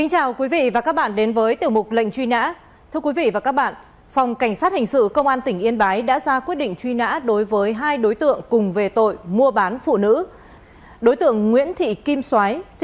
hẹn gặp lại các bạn trong những video tiếp theo